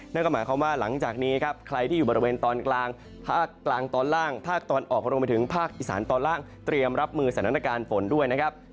นั่นก็หมายความว่าหลังจากนี้ครับใครที่อยู่บริเวณตอนกลางภาคกลางตอนล่างภาคตะวันออกรวมไปถึงภาคอีสานตอนล่างเตรียมรับมือสถานการณ์ฝนด้วยนะครับ